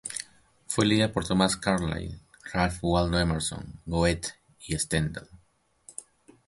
Fue leída por Thomas Carlyle, Ralph Waldo Emerson, Goethe y Stendhal.